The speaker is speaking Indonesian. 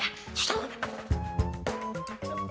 ya susah banget